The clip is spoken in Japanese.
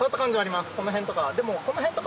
この辺とか。